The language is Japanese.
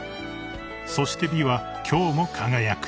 ［そして美は今日も輝く］